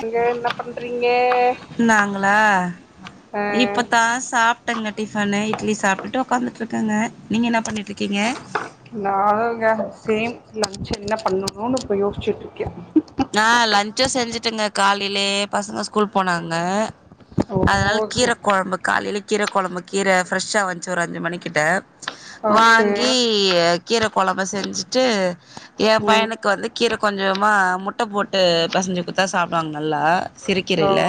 அங்க என்ன பண்றீங்க ஆ இப்பதா சாப் ட்டங் கட்டி சொன்ன இட்லி சாப்டுட்டு உக்காந்துட்டு இருக்கங்க நீங்க என்ன பண்ணிட்டு இருக்கீங்க நானுங்க சேம் லன்ச் என்ன பண்ணணுனு இப்ப யோசிச்சுட்டு இருக்கே ஆ லன்சு செஞ்சுட்டுங்க காலையிலயே பசங்க ஸ்கூல் போனாங்க அதனால ஓகே கீர கொழம்பு காலையில கீர கொழம்பு கீர ஃப்ரெஷ்ஷா வந்துச்சு ஒரு அஞ்சு மணிக்கிட்ட ஓகே வாங்கி கீர கொழம்ப செஞ்சுட்டு எ ம் பையனுக் க்கு வந்து கீர கொஞ்சமா முட்ட போட்டு பெசஞ்சு குடுத்தா சாப்டுவாங்க நல்லா சிறு ஓ கீரையில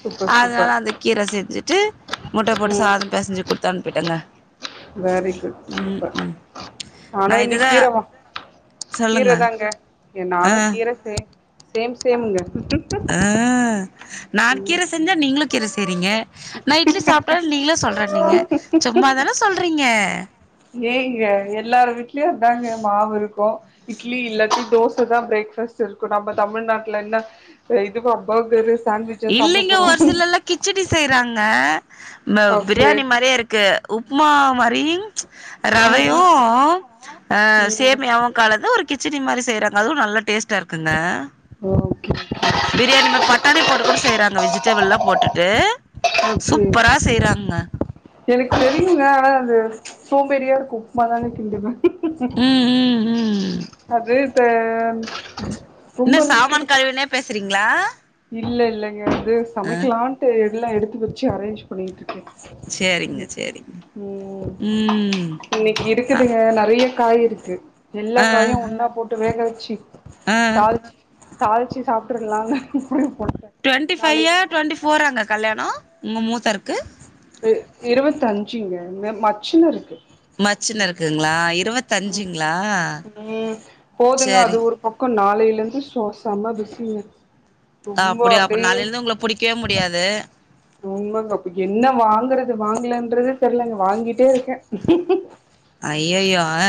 சூப்பர் அதனால சூப்பர் அந்த கீர செஞ்சுட்டு முட்ட போட்ட ம் சாத பெசஞ்சு குடுத்து அனுப்பிட்டேங்க வெரி குட் சூப்பர் நா ஆனு இன்னைக்கி இதுதா கீர வா சொல்லுங்க கீரதாங்க என் ஆ நானு கீர சே சேம் சேமுங்க அ நா ம் கீர செஞ்சா நீங்களு கீர செய்றீங்க நான் இட்லி சாப்ட நீங்களே சொல்ற நீங்க சும்மாதான சொல்றீங்க ஏங்க எல்லாரு வீட்லயு அதாங்க மாவு இருக்கு இட்லி இல்லாட்டி தோச தா பிரேக் ஃபாஸ்ட் இருக்கு நம்ம தமிழ்நாட்டுல என்ன இதுப்ப பர்கரு சாண்ட்விச்சா சாப்ட இல்லைங்க போறோ ஒரு சிலர்லா கிச்சடி செய்றாங்க ஓகே பிரியாணி மாரியே இருக்கு உப்மா மாரி ரவையு ம் அ ம் ம் சேமியாவு கலந்து ஒரு கிச்சடி மாரி செய்றாங்க அதுவு நல்லா டேஸ்டா இருக்குங்க ஓகே பிரியாணி மாரி பட்டாணி போட்டு கூட செய்றாங்க வெஜிடபுள்லா போட்டுட்டு ஓகே சூப்பரா செய்றாங்க எனக்கு தெரியுங்க ஆனா அது சோம்பேறியா இருக்கு உப்மா தானுங்க கிண்டுவ ம் ம் ம் அது தே என்ன சாமான் கழிவினே பேசுறீங்ளா இல்ல இல்லங்க அது சமைக்கலான்ட்டு எல்லா எடுத்து வச்சு அரேஞ்சு பண்ணிட்டு சேரிங்க இருக்கே சேரிங்க உ ம் இன்னைக்கு இருக் அ இருக்குதுங்க நெறய காய் இருக்கு எல்லா ஆ காயு ஒன்னா போட்டு வேக வச்சு ஆ தாளிச் தாளிச்சி சாப்டுருலால போட்ட டுவெண்டி ஃபையா டுவெண்ட்டி ஃபோரா அங்க கல்யானோ உங்க மூத்தாருக்கு அ இருபத் அஞ்சுங்க மச்சினருக்கு மச்சினருக்குங்ளா இருபத்தஞ்சுங்ளா சரிங் பக்க நாளையில இருந்து சொ செம பிசிங்க ரொம்ப அப்டியா அப்ற அப்டியே நாளையிலந்து உங்கள புடிக்கவே முடியாது உண்மங்க அப்ப என்ன வாங்குறது வாங்கலன்றத தெரிலங்க வாங்கிட்டே இருக்க ஐயயோ அ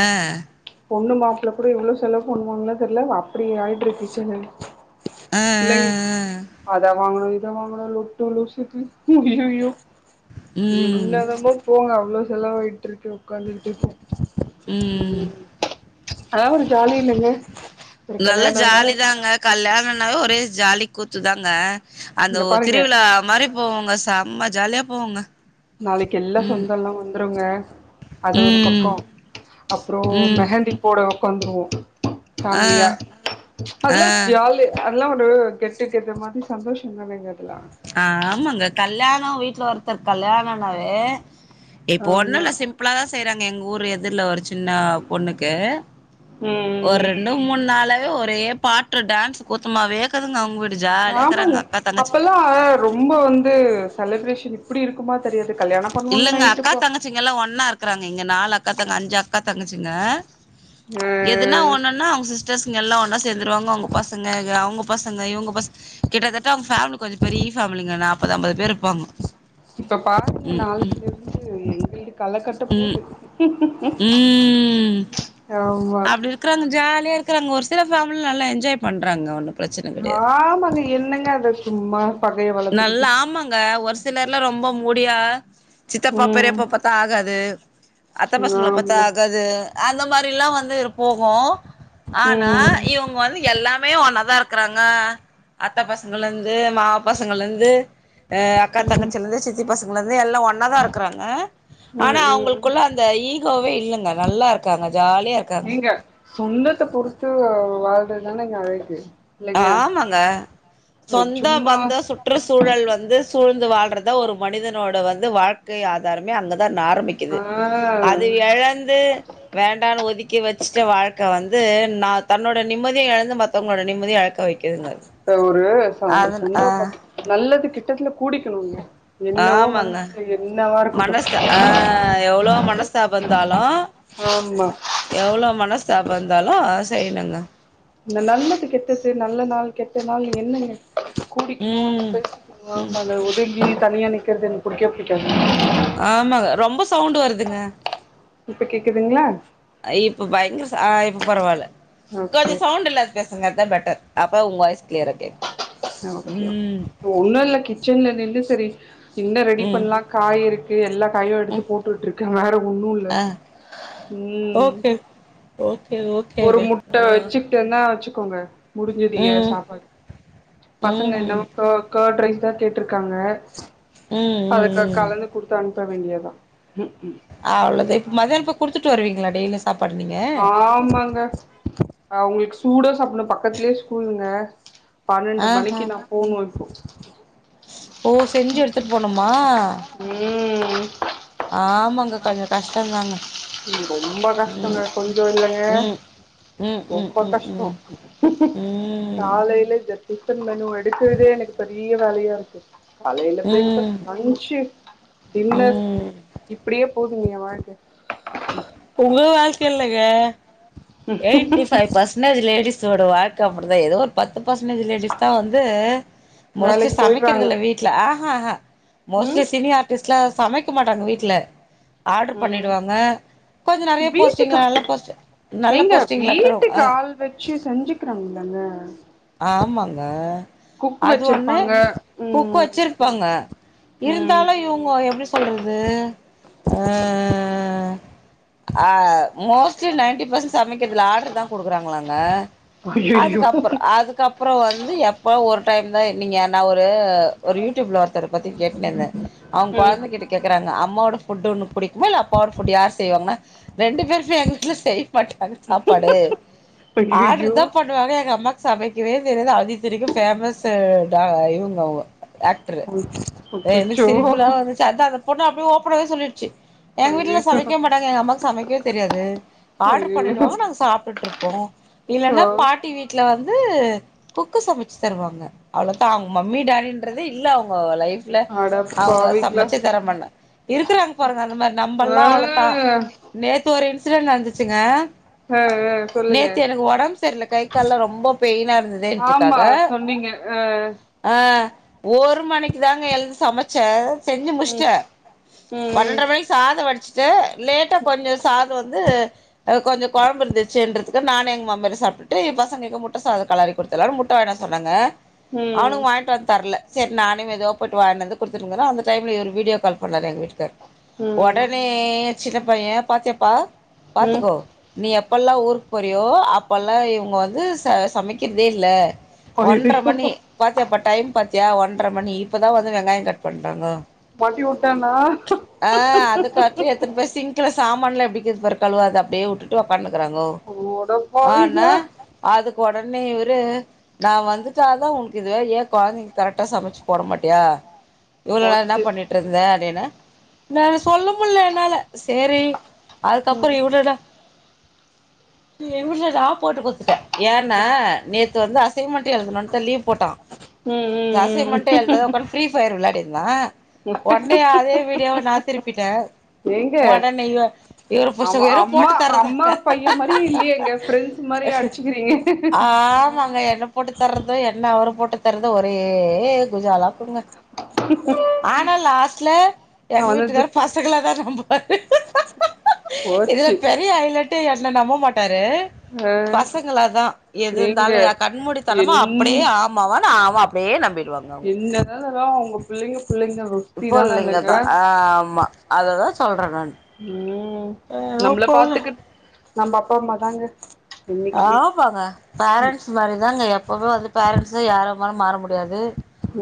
பொண்ணு மாப்பிள்ள கூட இவ்ளோ செலவு பண்ணுவாங்கன் தெரில அப்டி ஆயிட்ருக்கு செலவு ஆ ஆ இல்லங்க ஆ அத வாங்கனு அத வாங்கனு லொட்டு லொசுக்கு ஐயயோ ம் என்னதமோ போங்க அவ்ளோ செலவாகிட்டு இருக்கு உக்காந்துட்டு இருக்க ம் ம் அதல்லா ஒரு ஜாலி இல்லங்க ஒரு நல்ல கல்யாணோனா ஜாலி தாங்க கல்யாணனாவே ஒரே ஜாலி கூத்துதாங்க அந்த இங்க உ பாருங்க திருவிழா மாரி போவோங்க சம்மா ஜால்யா போவோங்க நாளைக் எல்லா ம். சொந்தலா வந்துருங்க அது ஒரு ம். பக்கோ அப்றோ ம். மெஹந்தி போட ஒக்காந்துருவோ ஆ. ஃபேம்லியா ஆ. அத்ல்லா ஒரு ஜாலி அதுல்லா ஒரு கெட் டூ கெத்த மாதி சந்தோஷதானங்க அதுல்லா அ ஆமாங்க கல்யாண வீட்ல ஒருத்தர் கல்யாணனாவே இப்ப ஆமா ஒன்னுல்ல சிம் ப்புளாதா செய்றாங்க எங்க ஊரு எதுர்ல ஒரு சின்ன பொண்ணுக்கு ஒர் ம் ரெண்டு மூண் நாளாவே ஒரே பாட்டு டான்ஸ் கூத் தும்மாவேக்குதுங்க அவுங் வீடு ஜால்யாக்குறாங்க அக்கா தங்கச்சி காவே ரொம்ப வந்து சலிப்ரேஷன் இப்டி இருக்குமா தெரியாது கல்யாண பண்ணுவாங்க இல்லங்க நைட்டு அக்கா போ தங்கச்சிங்க எல்லா ஒன்னா இருக்குறாங்க இங்க நாலு அக்கா தங்க அஞ்சு அக்கா தங்கச்சிங்க ஆ எதுனா ஒன்னுனா அவுங் சிஸ் டேஸ்ங்க எல்லாம் ஒன்னா சேந்துருவாங்கோ அவுங் பசங்க வெ அவுங்க பசங்க இவுங்க பஸ் கிட்டத்தட்ட அவுங்க ஃபேம்லி கொஞ்ச பெரிய ஃபேம்லிங்க நாப்பது ஐம்பது பேர்ருப்பாங்கோ இப்ப பாருங்க நாளைலுருந்து எங்கீடு களக்கட்ட ம் போது ஆமா இக்குறாங்க ஜால்ய இர்க்குறாங்க ஒரு சில ஃபேம்ல நல்லா என்ஜாய் பண்றாங்க ஒன்னு பிரச்சன கெடையாது ஆமாங்க என்னங்க அத சும்மா பகைய நல்ல வளத்துக்கிட்டு ஆமாங்க ஒரு சிலர்லா ரொம்ப மூடியா சித்தப்பா ம் பெரியப்பா பாத்தா ஆகாது அத்த பசங்ள பாத்தா ஆமா ஆகாது அந்த மாரில்லா வந்து இரு போகு ஆனா ம் இவுங் வந்து எல்லாமே ஒன்னாத் தா இர்க்குறாங்க அத்த பசங்குலந்து மாவ பசங்கலெந்து அ அக்கா ம் ம் தங்கச்சிலந்து சித்தி பசங்லந்து எல்லா ஒன்னாதா இர்க்குறாங்க ஆனா ம் ம் அவுங்குள்க்குள்ள அந் த ஈகோவே இல்லங்க நல்லா இருக்காங்க ஜாலியா இர் நீங்க சொந்தத்த பொறுத்து வாழ்றதானங்க அழகு இல்லைங்க ஆமாங்க சொந்த சும்மா பந்த சுட் ற்றுச்சூழல் வந்து சூழ்ந்து வாழ்றதா ஒரு மனிதனோட வந்து வாழ் கு ஆதார்மே அங்கதா நாரமிக்கிது அது ஆ எழந்து வேண்டானு ஒதுக்கி வச்ட்டு வாழ்க்க வந்து நா தன்னோட நிம்மத்யு எழந்து மத்தவுங்ளோட நிம்மதி அழக்க வெக்கிதுங்க அ ஒரு ச சொந்தப நல்லது கெட்டத்துல கூடிக்கிணுங்க என்னவோ ஆமாங்க மனசுல என்னவாருக்குட்டு மனச ஆ எவ்ளோ மனஸ்தாப இருந்தாலு ஆம்மா எவ்ளோ மனஸ்தாப் இந்தாலு அத செய்னுங்க இந்த நல்லது கெட்டது நல்ல நாள் கெட்ட நாள் என்ன நீங்க கூடிக்கிணும் ம் பேஸ் ம் ஆமால ஒதுங்கி தனியா நிக்கிறது எனக்கு புடிக்வே புடிக்காது ஆமாங்க ரொம்ப சவுண்டு வருதுங்க இப்ப கேக்குதுங்ளா அ இப்ப பயங்குர ச இப்ப பரவால்ல ஓகே கொஞ்ச சவுண்ட் இல்ல பேசுங்கர்த பெட்டர் அப்ப உங் வாய்ஸ் க்ளியரா கேக் ஓக்கே ஓகே உள்ளல்ல கிச்சன்ல நின்னு செரி இன்ன ரெடி ம் பண்லா காய் இருக்கு எல்லா காயு எடுத்து ம் போட்டுட்ருக்க வேற ஒன்னுல்ல ஆ ம் ஓக்கே ஓகேங்க அ டுனா வச்சுக்கோங்க முடிஞ்சுது ஏ சாப்பாடு ம் பசங்க ம் என்னமோ க கர்ட் ரைஸ் தா கேட்டுருக்காங்க ம் அது ம் கா ம் கலந்து குடுத்து அனுப்ப வேண்டியதா ம் ம் அவ்வளது இப்ப மதியாள போய் குடுத்துட்டு வருவீங்கள டெய்லி சாப்பாடு நீங்க ஆமாங்க அவுங்களுக்கு சூடா சாப்புணு பக்கத்துலே ஸ்கூலுங்க பனண்டு ஆஹா மணிக்கு நா போனு இப்போ ஓ செஞ்சு எடுத்துட்டு போனுமா ம் ஆமாங்க கொஞ்ச கஷ்டந்தாங்க ம் ரொம்ப கஷ்டோங்க ம் கொஞ்சோ இல்லங்க ம் ம் ம் ரொம்ப கஷ்டோ ம் ம் காலையிலே ஜர் டிஃபன் மெனு எடுக்கறதே எனக்கு பெரிய வேலையா இருக்கு காலையில ம் பிரேக்ஃபாஸ்ட் ம் லன்ச்சு டின்னர் ம் இப்டியே போதுங்க ஏ வாழ்க்க உங்க வாழ் க்கில்லங்க எயிட்டி ஃபைவ் பர்சன்டேஜ் லேடிஸோட வாழ்க்க அப்டிதா ஏதோ ஒரு பர்சன்டேஜ் லேடிஸ் தா வந்து மோஸ்ட்லி வேலைக்கு சமக்கறது போயிட்றாங்க இல்ல வீட்ல ஆஹா ஆஹா ம் மோஸ்ட்லி சினிமா டிஸ்ல்லா சமைக்க மாட்டாங்க வீட்ல ஆட்ரு ம் பண்ணிடுவாங்க கொஞ்சோ நறய போஸ்ட்டிங்கள நல்ல போஸ்ட்டு ஏங்க வீட்டுக்கு ஆள் வச்சு செஞ்சுக்கிறோ இல்லங்க ஆமாங்க அது ஒண்ணு வச்சிருப்பாங்க குக் ம் வச்சிருப்பாங்க ம் இருந்தாலு இவங்க எப்டி சொல்றது அ அ மோஸ்ட்லி நைன்டி சமக்கறதுல ஆடரு தா குடுக்குறாங்களாங்க ஐயையோ அதுக்கப்புறோ அதுக்கப் புறோ வந்து எப்போ ஒரு டைம் தா நீங்க நா ஒரு ஒரு யூட்யூப்பில ஒருத்தர பத்தி கேட்டுனு இருந்தே அவுங் ம் கொழந்த கிட்டே கேக்குறாங்க அம்மாவோடா ஃபுட் ஒன்னு புடிக்குமா இல்ல அப்பாவோட ஃபுட்டு யார் செய்வாங்கா ரெண்டு பேருமே எங்க வீட்ல செய் மாட்டாங்க சாப்பாடு ஆட்ரு ஐயையோ தா பண் ணுவாங்க எங்க அம்மாக்கு சமக்கவே தெரியது அதா இத்தனைக்கு ஃபேமஸு ட அ இவுங்க அவங்க ஆக்ட்ரு [inaudible] என சிரிப்புலா வந்துச்சு அதா அந்த பொண்ணு அப்டி ஓப்பனாவே சொல்லிருச்சு எங்க வீட்ல ஐயையோ சமைக்கே மாட்டாங்க எங்க அம்மாவுக்கு சமைக்கே தெரியாது ஆட்டு ஐயையோ பண்ணிடுவாங்க நாங்க சாப்ட்டுட்ருப்போ சோ இல்லன்னா பாட்டி வீ ட்ல வந்து குக்கு சமைச்சு தருவாங்க அவ்ளோ தா அவங்க மம்மி டாடின்றதே இல்ல அவங்க லைஃப்ல அவங்க அடப்பாவிங்களா சமச்சே தர மன்ன இருக்கறாங்க பாருங்க அந்த மாரி ஆ நம்பெல்லா அவ்ளோத்தா நேத்து ஒரு இன்சிடென்ட் நடந்துச்சுங்க அ அ நேத்து எனக்கு ஒடம்பு சரியில்ல கை கால்லா ரொம்ப பெயினா இருந்துதே ன்ட்ருக்காக நீங்க அ ஆ ஒரு மணிக்கு தா ங்க எழுந்து சமைச்ச செஞ்சு ம் முச்சிட்ட ம் பனண்டர மைக்கு சாத வடிச்சுட்டு லேட்டா கொஞ்சோ சாத வந்து அ கொஞ்சோ கொழம்பு இருந்துச்சேன்றது க்கு நானு எங்க மாம்மாரு சாப்ட்டுட்டு ஏ பசங்களுக்கு முட்ட சாத கலறி குடுத்தலானு முட்ட வாங்கினு வர சொன்னேங்க ம் அவனு வாங்கிட்டு வந்து தர்ல செரி நானே மெதுவா போய்ட்டு வாங்கிட்டு வந்து குடுத்துட்டு போனா அந்த டைம்ல இவரு வீடியோ கால் பண்ணாரு எங் வீட்டுகார் ம் ஒடனே சித்தப்பா ஏ பாத்தியாப்பா ம் பாத்துக்கோ நீ எப்பெல்லா ஊருக்கு போறியோ அப்பெல்லா இவுங்க வந்து ச சமக்கெற்தே இல்ல ஒன்றர ஐயையோ மணி பாத்தியாப்பா டைம் பாத்தியா ஒன்றர மணி இப்பதா வந்து வெங்காயோ கட் பண்றாங்கோ வண்டி ஓட்டானா இந்த இப்ப சிங்க்ல சாமான்லா எப்டி இக்குது பாரு கழுவாத அப்டியே உட்டுட் ட்டோ பண்ணுக்குறாங்கோ அட ஆனா பாவிங்களா அதுக்கு ஒடனே இவரு நா வந்துட்டா தா உங்களுக்கு இதுவே ஏ கொழந்தெக்கு கரக்ட்டா சமச்சு போட மாட்டியா இவ்ளோ நேர் என்ன போச்சு பண்ணிட்டு இருந்தே அப்டின்னு ன சொல்ல முடில என்னால சேரி அதுக்கப்பறோ ம் இவனுடா ஏ புள்ள நா போட்டு குடுத்துட்டே ஏன்னா நேத்து வந்து அஸ் அசைன்மென்ட்டே எழுதெனுன்ட்டு லீவ் போட்டான் ம் ம் ம் ம் மென்ட் எழுதாம ஒக்காந்து ஃப்ரீ ஃபயர் வெளையாட்டி இருந்தான் ஒட்னே அதே வீடியோவ நா திருப்பிட்டே எங்க ஒடனே இவ இவரு புடிச்சு அவன் வெறு அம்மா போட்டு அம்மா தர்றதாங்க பைய மாரி இல்லேயேங்க ஃப்ரெண்ட்ஸ் மாரி அடிச்சுக்கிறீங்க ஆமாங்க என்ன போட்டு தர்ரது என்ன அவரு போட்டு தரது ஒரே குஜாலா போங்க ஆனா லாஸ்ட்ல எங்க அவனது வீட்டுக்காரு ஃபஸ் பசங்கல தா நம்புவாரு இதுல போச்சு பெரிய ஐலட்டு என்ன நம்ப மாட்டாரு ஆ பசங்கள தா எது ஏங்க இருந்தாலு எ கண்மூடி தனமா அப்பிடே என்ன ஆ அம்மாவான்னு அவ அப்டியே நம்பிடுவாங்க அவு என்ன தா இருந்தாலு உங்க புள்ளெங்க புள்ளெங்க தா புள்ளெங்க தா ஆ ஆமா அததா சொல்றே நானு ம் ஏதோ நம்மள போங்க பாத்துக்கிட் நம்ம அப்பா அம்மா தாங்க என்னைக்குமே ஆமாங்க பேரண்ட்ஸ் மாரிதாங்க எப்பவு வந்து பேரன்ட்ஸ் யாரம்மாலு மாற முடியாது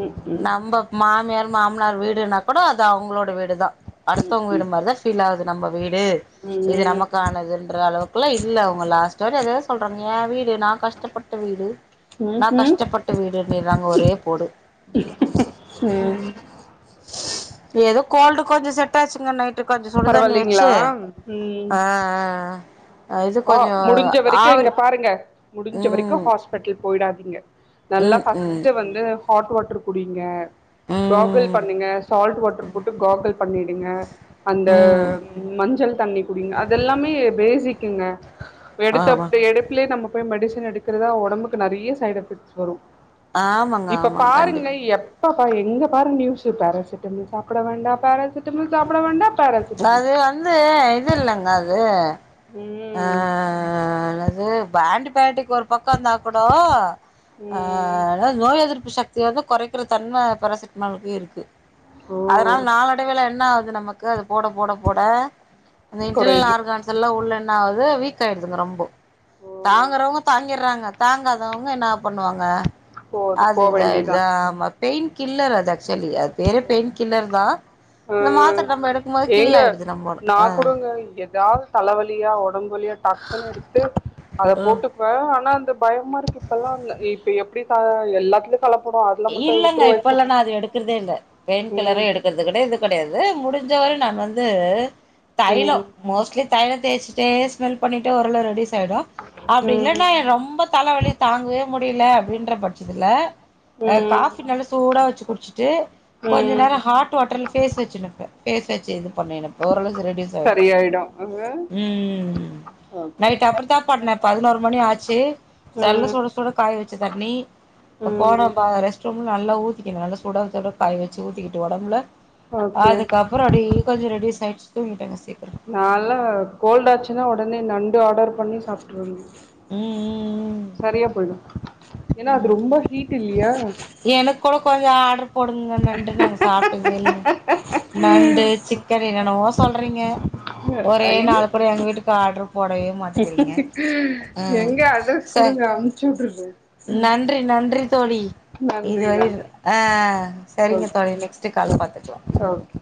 ம் ம் நம்ப மாமியார் மாமனார் வீடுனாக் கூட அது அவ்ங்களோட வீடுதா அடுத்தவங்க ம் வீடு மாரிதா ஃபீல் ஆகுது நம்ம வீடு இது ம் நமக்கானதுன்ற அளவுக்கெல்லா இல்ல அவ்ங்க லாஸ்டா எதையோ சொல்றாங்கே இது ஏ வீடு நா கஷ்டப்பட் ட வீடு ம் ம் ட்ட வீடுன்னுகிறாங்க ஒரே போடு ம் எதோ கோல்டு கொஞ்சொ செட் ஆய்டுச்சுங்க நைட்டு கொஞ்சொ சுடுதண்ணி பரவாயில்லைங்களா வெச்சு ம் ஆ ஆ இது ஓ கொஞ்சோ முடுஞ்ச வரைக்கு இங்க ஆவரி பாருங்க முடுஞ்ச வரைக்கு ம் ஹாஸ்பிட்டல் போய்டாதீங்க நல்லா ம் ம் ஃபஸ்ட்டு வந்து ஹாட் வாட்டர் குடிங்க காகுள் ம் பண்ணுங்க சால்ட் வாட்ரு போட்டு காகுள் பண்ணீடுங்க அந்த ம் மஞ்சள் தண்ணி குடிங்க அதெல்லாமே பேசிக் கிங்க வெடுத்த ஆமா அப்டி எடுப்ல்லே நம்ம போய் மெடிசன எடுக்குறதா ஒடம்புக்கு நறயா சைட் எஃபெக்ட்ஸ் வரு ஆமாங்க இப்ப ஆமாங்க பாருங்க கண்டிப்பா எப் ப்பாப்பா எங்க பாரு நியூஸு பேராசிட்டமல் சாப்பட வேண்டா பேராசிட்டமல் சாப்பட வேண்டா பேராசிட்டமல் அது வந்து இது இல்லெங்க அது ம் அ அது என்னது ஆண்ட்டிபயாடிக் ஒரு பக்கோ இருந்தா கூடோ ஆ ம் ஆ அதாது நோய் எதிர்ப்பு சக்திய வந்து கொறக்கிற தன்ம பேராசிட்டமால்க்கு இருக்கு ஓ அதனால நாளடைவேள என்ன ஆகுது நமக்கு அது போட போட போட அந்த இன்டெர்னல குறையுது ஆர்கான்ஸ் எல்லா உள்ள என்னாவது வீக் ஆயிடுதுங்க ரொம்போ ஓ தாங்குறவங்க தாங்கிறாங்க தாங்காதவங்க என்ன பண்ணுவாங்க போது அது போ வேண்டியதா இதாயிடுதா ஆமா பேயின் கில்லர் அது அக்சோலி அது பேரு பெயின் கில்லர் தான ஆ இந்த மாத்திர நம்ம எடுக்கும் போது ஏங்க கில்ல ஆயிடுது நம்மோட நா அ கூடங்க ஏதாவது தலைவலியா உடம்பு வலியா டக்குன்னு எடுத்து அத ஆ போட்டுப் ஆனா அந்த பயமா இருக்கு இப்பல்லா இல்ல இப்ப எப்டி எல்லாத்துலிப் கலப்படோ அதுல மட்டு உட்டுவழிச்சி மா எடுக்கிறதே இல்ல பெயின் கில்லரு எடுக்கிறது கெடைய இது கெடையாது முடிஞ்ச வரை நான் வந்து தைலோ ம் மோஸ்ட்லி தலலோ தேய்சிட்டே ஸ்மெல் பண்ணிட்டு ஓரளவு ரெடிஸ் ஆயிரு அப்டி ம் இல்லன்னா என ரொம்ப தலைவலி தாங்கவே முடியல அப்டின்ற பட்சத்தில அ ம் காபி நல்லா சூடா வச்சி குடிச்சிட்டு கொஞ்ச ம் நேரோ ஹாட் வாட்டர்ல பேஸ் வச்சின்டு இருப்பே இது பண்ணிணப் ஓரளவு ரெடியூஸ் சரியாயிடு ஓகே ம் ம் ம் நைட் அப்டிதா படுனே பதினோரு மணி ஆச்சி செல்ல ம் சுட சுட காய் வச்ச தண்ணி இப்ப ம் போனப் பாக ரெஸ்ட்ரூம்ல நல்லா ஊத்திக்கினு நல்ல சுட சுட காய் வச்சி ஊத்திக்கிட்டு உடம்புல ஓகே அதுக்கப்ரோ அப்படி கொஞ்சோ ரெடியூஸ் ஆச்சி தூங்கிட்டாங்க சீக்ரோ நான்ல்லா கோல்ட் ஆச்சின்னா உடனே நண்டு ஆர்டர் பண்ணி சாப்டுருவங்க ம் ம் சரியா போயிடு ஏனா ம் ம் அது ரொம்ப ஹீட் இல்லியா எனக்கு கூட கொஞ்சோ ஆர்டரு போடுங்க நண்டு நாங்க சாப்டதே இல்ல நண்டு சிக்கன் என்னென்னமோ சொல்றங்க ஒரே ஐ நாலு கூட எங்க வீட்டுக்கு ஆர்டரு போடவே மாட்டேக்கறீங்க எங்க அட்ரஸ் குடுங்க அமுச்சு உட்டுருது நன்றி நன்றி தோழி நன்றி இதுவரை நன்றி அ சரிங்க ஓகே தோழி நெக்ஸ்ட்ட் கால் பாத்துகிலா ஓகே ஓகே